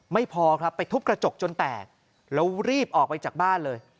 ไม่พอครับไปทุบกระจกจนแตกแล้วรีบออกไปจากบ้านเลย